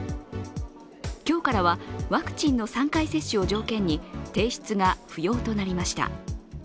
今日からはワクチンの３回接種を条件に提出が不要となりました。